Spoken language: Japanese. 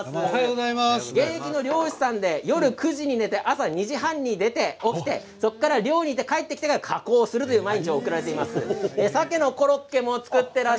現役の漁師さんで夜９時に寝て朝２時半に起きてそこから漁に出て帰ってきて加工するという毎日です。